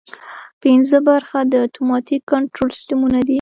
پنځمه برخه د اتوماتیک کنټرول سیسټمونه دي.